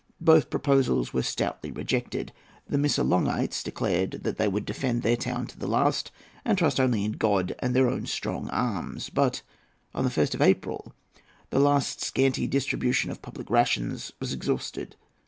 Both proposals were stoutly rejected. The Missolonghiotes declared that they would defend their town to the last, and trust only in God and in their own strong arms. But on the 1st of April the last scanty distribution of public rations was exhausted.